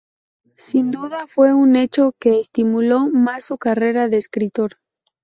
Sin duda, fue un hecho que estimuló más su carrera de escritor.